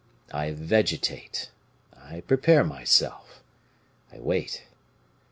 I vegetate, I prepare myself, I wait.